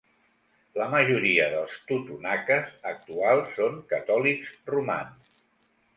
La majoria dels totonaques actuals són catòlics romans.